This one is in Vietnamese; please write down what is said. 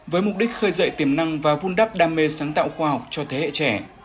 với mục đích khơi dậy tiềm năng và vun đắp đam mê sáng tạo khoa học cho thế hệ trẻ